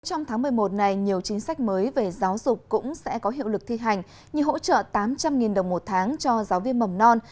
trong tháng một mươi một này nhiều chính sách mới về giáo dục cũng sẽ có hiệu lực thi hành như hỗ trợ tám trăm linh đồng một tháng cho giáo viên mầm non